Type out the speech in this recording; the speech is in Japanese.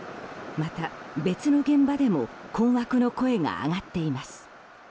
また、別の現場でも困惑の声が上がっています。